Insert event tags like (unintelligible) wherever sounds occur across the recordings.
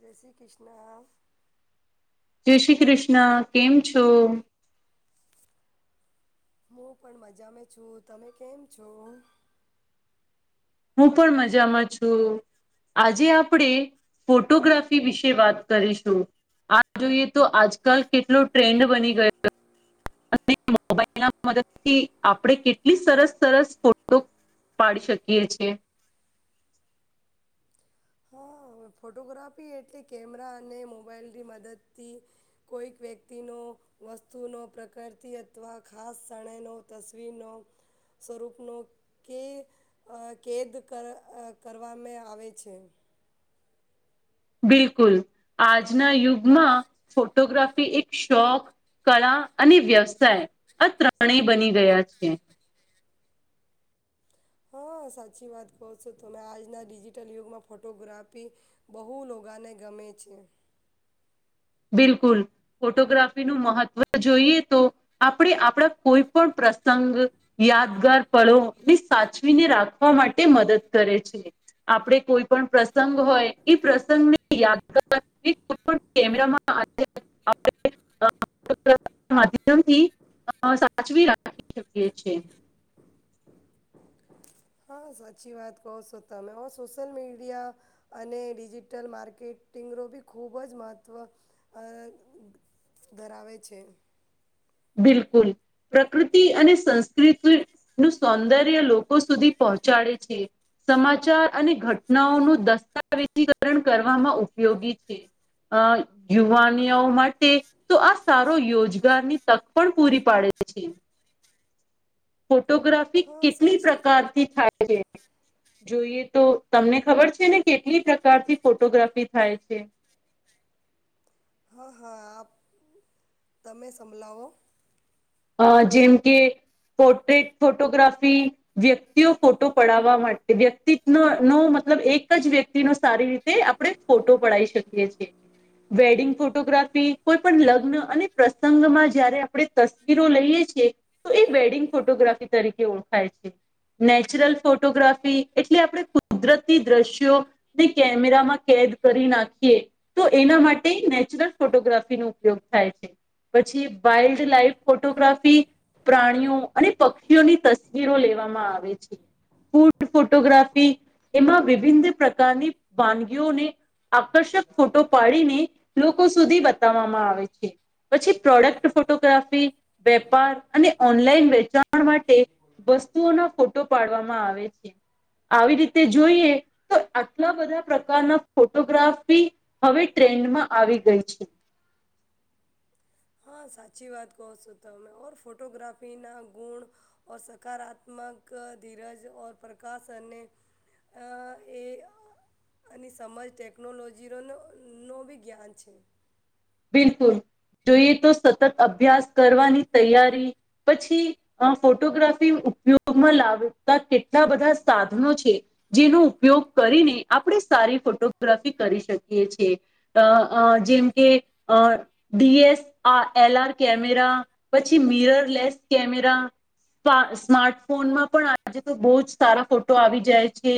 જય શ્રી કૃષ્ણ. જય શ્રી કૃષ્ણ કેમ છો? હું પણ મજામાં છું તમે કેમ છો? હું પણ મજામાં છું. આજે આપણે ફોટોગ્રાફી વિશે વાત કરીશું. આ જોઈએ તો આજકાલ કેટલો ટ્રેન્ડ બની ગયો. અને મોબાઈલ ના મદદથી આપણે કેટલી સરસ સરસ ફોટો પાડી શકીએ છીએ. હા ફોટોગ્રાફી એટલે કેમેરા અને મોબાઈલની મદદથી કોઈક વ્યક્તિનો વસ્તુનો પ્રકારતિ અથવા ખાસ શણેનો તસવીરનો સ્વરૂપનો કે અ કેદ કર કરવામે આવે છે. બિલકુલ આજના યુગમાં ફોટોગ્રાફી એક શોખ કળા અને વ્યવસાય આ ત્રણેય બની ગયા છે. હા સાચી વાત કહો છો તમે આજના ડિજિટલ યુગમાં ફોટોગ્રાફી બહુ લોગાને ગમે છે. બિલકુલ ફોટોગ્રાફીનું મહત્ત્વ જોઈએ તો આપણે આપણા કોઈ પણ પ્રસંગ યાદગાર પળો ને સાચવીને રાખવા માટે મદદ કરે છે. આપણેે કોઈ પણ પ્રસંગ હોય એ પ્રસંગની યાદગાર (inaudible) કેમેરામાં (inaudible) (unintelligible) માધ્યમથી અ સાચવી રાખી શકીએ છે હા સાચી વાત કહો છો તમે મેં ઓ સોશિયલમીડિયા અને ડિજિટલ માર્કેટિંગ રો બી ખૂબ જ મહત્ત્વ અ ધરાવે છે. બિલકુલ પ્રકૃતિ અને સંસ્કૃતિનું સૌંદર્ય લોકો સુધી પહોંચાડે છે. સમાચાર અને ઘટનાઓનું દસ્તાવેજીકરણ કરવામાં ઉપયોગી છે. અ યુવાનીયાઓ માટે તો આ સારો યોજગારની તક પણ પૂરી પાડે છે. ફોટોગ્રાફી હા કેટલી સાચી પ્રકારથી થાય છે. જોઈએ તો તમને ખબર છે ને કેટલી પ્રકારથી ફોટોગ્રાફી થાય છે. હા હા આપ તમે સંભળાવો. અ જેમ કે પોર્ટ્રેટ ફોટોગ્રાફી વ્યક્તિઓ ફોટો પડાવવા માટે વ્યક્તિત ન નો મતલબ એક જ વ્યક્તિનો સારી રી તે આપડે ફોટો પડાઈ શકીએ છીએ. વેડિંગ ફોટોગ્રાફી કોઈ પણ લગ્ન અને પ્રસંગમાં જયારે આપણે તસ વિરો લઈએ છીએ તો એ વેડિંગ ફોટોગ્રાફી તરીકે ઓળખાય છે. નેચરલ ફોટોગ્રાફી એટલે આપણે કુદરતી દ્રશ્યો ને કેમેરા માં કેદ કરી નાખીએ તો એના માટે નેચરલ ફોટોગ્રાફીનો ઉપયોગ થાય છે પછી વાઇલ્ડ લાઈફ ફોટોગ્રાફી પ્રાણીઓ અને પક્ષીઓની તસવીરો લેવામાં આવે છે ફૂડ ફોટોગ્રાફી એમાં વિભિન્ન પ્રકારની વાનગીઓને આકર્ષક ફોટો પાડીને લોકો સુધી બતાવવામાં આવે છે પછી પ્રોડક્ટ ફોટોગ્રાફી વેપાર અને ઓનલાઈન વેચાણ માટે વસ્તુઓના ફોટો પાડવામાં આવે છે આવી રીતે જોઈએ તો આટલા બધા પ્રકારના ફોટોગ્રાફી હવે ટ્રેન્ડમાં આવી ગઈ છે હા સાચી વાત કહો છો તમે ઓર ફોટોગ્રાફીના ગુણ ઓર સકારાત્મક ધીરજ ઓર પ્રકાશને અ એ અને સમજ ટેકનોલોજીરોનો નો બી જ્ઞાન છે બિલકુલ જોઈએ તો સતત અભ્યાસ કરવાની તૈયારી પછી આ ફોટોગ્રાફી ઉપયોગમાં લાવતા કેટલા બધા સાધનો છે જેનો ઉપયોગ કરીને આપણે સારી ફોટોગ્રાફી કરી શકીએ છીએ અ અ જેમ કે અ ડીએસ આ એલઆર કેમેરા પછી મીરર લેસ કેમેરા સ્માર્ટ ફોનમાં પણ આજે તો બહુ જ સારા ફોટો આવી જાય છે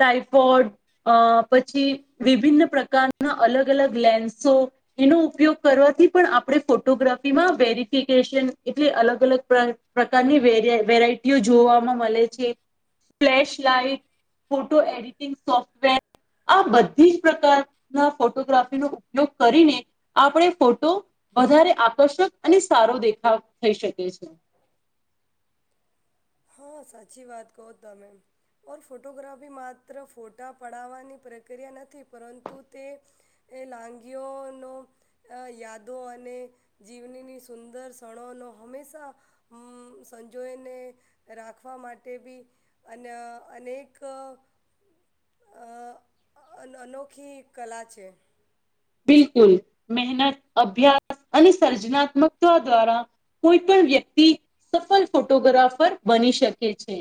ટાઈફોડ અ પછી વિભિન્ન પ્રકારના અલગ અલગ લેન્સો એનો ઉપયોગ કરવાથી પણ આપણે ફોટોગ્રાફીમાં વેરિફિકેશન એટલે અલગ અલગ પ્ર પ્રકારની વેરાઈ વેરાયટીઓ જોવામાં મળે છે flash light photo editing software આ બધી જ પ્રકારના ફોટોગ્રાફીનો ઉપયોગ કરીને આપણે ફોટો વધારે આકર્ષક અને સારો દેખાવ થઈ શકે છે હા સાચી વાત કહો તમે ઓર ફોટોગ્રાફી માત્ર ફોટા પડાવવાની પ્રક્રિયા નથી પરંતુ તે એ લાંગીઓનો અ યાદો અને જીવનીની સુંદર ક્ષણોનો હંમેશા હમ સંજોયને રાખવા માટે બી અન અનેક અનોખી કલા છે બિલકુલ મહેનત અભ્યાસ અને સર્જનાત્મકતા દ્વારા કોઈ પણ વ્યક્તિ સફલ ફોટોગ્રાફર બની શકે છે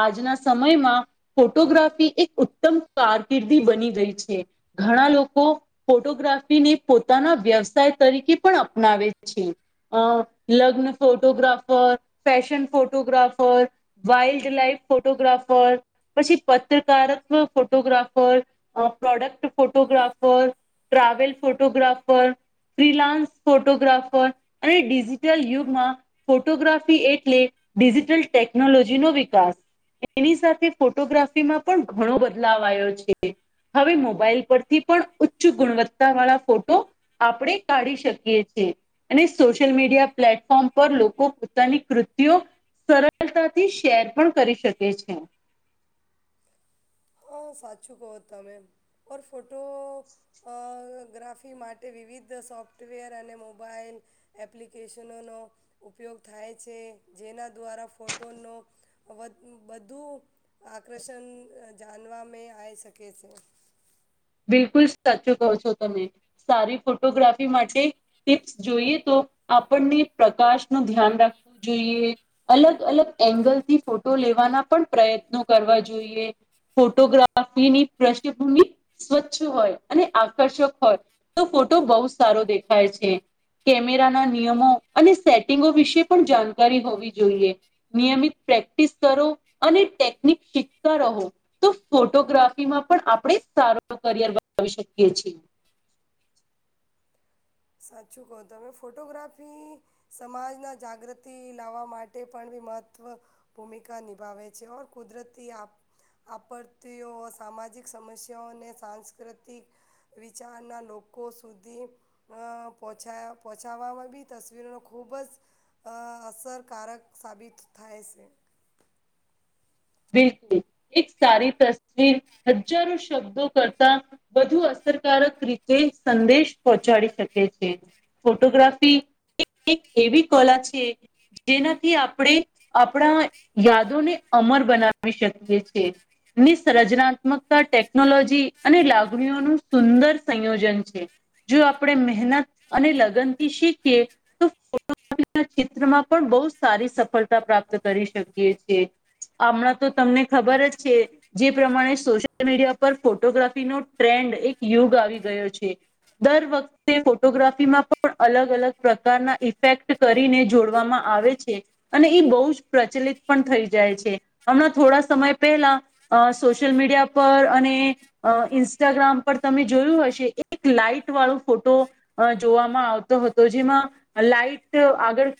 આજના સમયમાં ફોટોગ્રાફી એક ઉત્તમ કારકિર્દી બની ગઈ છે ઘણા લોકો ફોટોગ્રાફીને પોતાના વ્યવસાય તરીકે પણ અપનાવે છે અ લગ્ન photographer fashion photographer wildlife photographer પછી પત્રકારક photographer product photographer travel photographer freelance photographer અને ડિજિટલ યુગમાં ફોટોગ્રાફી એટલે ડિજિટલ ટેકનોલોજી નો વિકાસ એની સાથે ફોટોગ્રાફીમાં પણ ઘણો બદલાવ આવ્યો છે હવે મોબાઈલ પરથી પણ ઉચ્ચ ગુણવત્તા વાળા ફોટો, આપણે કાઢી શકીએ છીએ. અને સોશિયલ મીડિયા પ્લેટફોર્મ પર લોકો પોતાની કૃતિઓ, સરળતાથી શેર પણ કરી શકે છે. હા સાચું કહો તમે ઓર ફોટો, અ ગ્રાફી માટે વિવિધ સોફ્ટવેર અને મોબાાઈલ, એપ્લિકેશનોનો ઉપયોગ થાય છે જેના દ્વારા ફોટોનો, બધું આકર્ષણ જાણવા મે આવી શકે છે. બિલકુલ સાચું કહો છો તમે સારી ફોટોગ્રાફી માટે, ટીપ્સ જોઈએ તો આપણને પ્રકાશ નું ધ્યાન રાખવું જોઈએ. અલગ અલગ એંગલ થી ફોટો લેવાના પણ પ્રયત્નો કરવા જોઈએ. ફોટોગ્રાફીની પૃષ્ઠભૂમિ, સ્વચ્છ હોય અને આકર્ષક હોય તો ફોટો બહુ સારો દેખાય છે. કેમેરાના નિયમો અને સેટિંગો વિશે પણ જાણકારી હોવી જોઈએ. નિયમિત પ્રેક્ટિસ કરો અને ટેકનિક શીખતા રહો. તો ફોટોગ્રાફીમાં પણ આપણે સારો કરિયર બનાવી શકીએ છીએ. સાચું કહો તમે ફોટોગ્રાફી, સમાજના જાગૃતિ લાવવા માટે પણ બી મહત્વ, ભૂમિકા નિભાવે છે, ઓર કુદરતી આફ આપત્તિઓ સામાજિક સમસ્યાઓને, સાંસ્કૃતિક, વિચારના લોકો સુધી, અ પહોંચા પહોંચાવામાં બી તસવીરોને ખૂબ જ, આ અસરકારક સાબિત થાય છે. બિલકુલ એક સારી તસવીર હજારો શબ્દો કરતા, વધુ અસરકારક રીતે સંદેશ પહોંચાડી શકે છે. ફોટોગ્રાફી એ એક એવી કલા છે, જેનાથી આપણે આપણા યાદોને અમર બનાવી શકીએ છે. ની સર્જનાત્મકતા ટેકનોલોજી અને લાગણીઓનું સુંદર સંયોજન છે. જો આપણે મહેનત અને લગનથી શીખીએ, તો ફોટોગ્રાફી ના ક્ષેત્રમાં પણ બહુ સારી સફળતા પ્રાપ્ત કરી શકીએ છીએ. અમણાં તો તમને ખબર જ છે, જે પ્રમાણે સોશિયલ મીડિયા પર ફોટોગ્રાફીનો ટ્રેન્ડ એક યુગ આવી ગયો છે. દર વખ તે ફોટોગ્રાફી માં પણ અલગ-અલગ પ્રકારના ઇફેક્ટ કરીને જોડવામાં આવે છે. અને એ બોઉજ પ્રચલિત પણ થઈ જાય છે, હમણાં થોડા સમય પહેલા, અ સોશિયલ મીડિયા પર અને, અ ઇન્સ્ટાગ્રામ પર તમે જોયું હશે એક લાાઈટ વાળો ફોટો, અ જોવામાં આવતો હતો જેમાં લાાઈટ આગળ,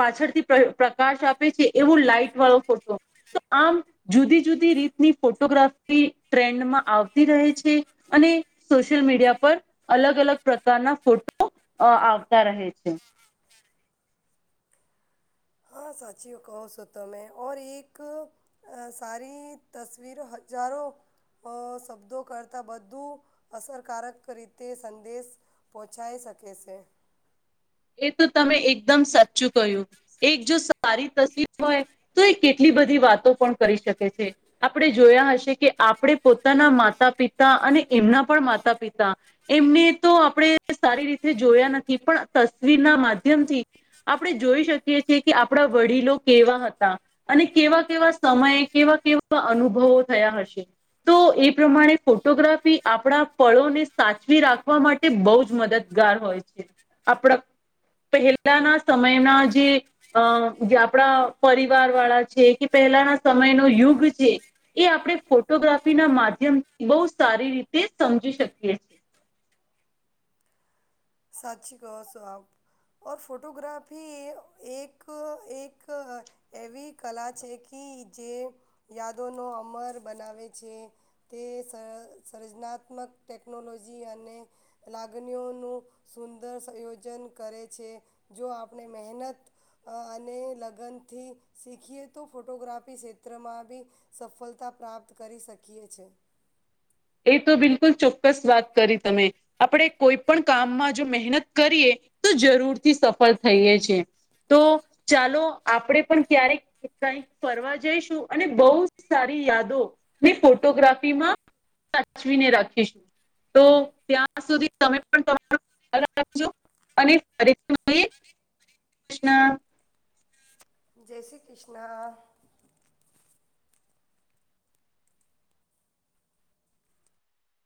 પાછળથી પ્રકાશ આપે છે, એવું લાાઈટ વાળો ફોટો, તો આમ જુદી જુદી રીતની ફોટોગ્રાફી ટ્રેન્ડમાં આવતી રહે છે. અને સોશિયલ મીડિયા પર, અલગ-અલગ પ્રકારના ફોટો અ આવતા રહે છે. હા સાચીઓ કહો સો તમે ઓર એક, અ સારી તસવીરો હજારો, અ શબ્દો કરતાં બધું અસરકારક રીતે સંદેશ, પોચાય શકેે છે. એ તો તમે એકદમ સાચું કહ્યું એક જો સારી તસવીર હોય તો એ કેટલી બધી વાતો પણ કરી શકે છે. આપડે જોયા હશે કે આપડે પોતાના માતા પિતા અને એમના પણ માતા પિતા એમને તો આપડે સારી રીતે જોયા નથી પણ તસવીરના માધ્યમથી આપડે જોઈ શકીએ છીએ કે આપડા વડીલો કેવા હતા અને કેવા કેવા સમયે કેવા કેવા અનુભવો થયા હશે તો એ પ્રમાણે ફોટોગ્રાફી આપડા પળોને સાચવી રાખવા મા તે બઉ જ મદદગાર હોય છે. આપડા પહેલાના સમયના જે અ જે આપડા પરિવાર વાળા છે કે પહેલાના સમયનો યુગ છે એ આપડે ફોટોગ્રાફી ના માધ્યમથી બહુ સારી રીતે સમજી શકીએ છીએ. સાચુ કહોસો આપ ઓર ફોટોગ્રાફી એક એક એવી કલા છે કી જે યાદોનો અમર બનાવે છે. તે સ સર્જનાત્મક ટેકનોલોજી અને લાગણીઓનું સુંદર સંયોજન કરે છે જો આપણે મહેનત અને લગનથી શીખીએ તો ફોટોગ્રાફી ક્ષેત્રમાં બી સફળતા પ્રાપ્ત કરી શકીએ છે એ તો બિલકુલ ચોક્કસ વાત કરી તમે આપડે કોઈ પણ કામમાં જો મહેનત કરીએ તો જરૂરથી સફળ થઇએ છે તો ચાલો આપડે પણ ક્યારેક કઈક ફરવા જઈશું અને બહુ સારી યાદો ને ફોટોગ્રાફી માં સાચવીને રાખીશું તો ત્યાં સુધી તમે પણ તમારું (inaudible) રાખજો અને ફરીથી મળીયે કૃષ્ણ જય શ્રી કૃષ્ણ